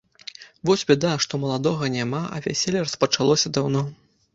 Вось бяда, што маладога няма, а вяселле распачалося даўно.